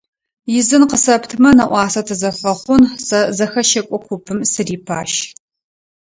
Изын къысэптымэ нэӏуасэ тызэфэхъун, сэ зэхэщэкӏо купым сырипащ.